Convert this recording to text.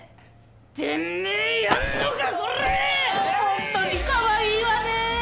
本当にかわいいわねえ。